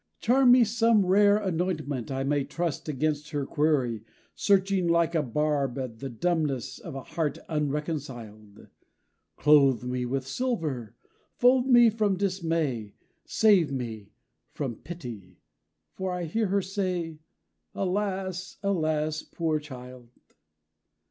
Charm me some rare anointment I may trust Against her query, searching like a barb The dumbness of a heart unreconciled. Clothe me with silver; fold me from dismay; Save me from pity. For I hear her say, 'Alas, Alas, poor child!'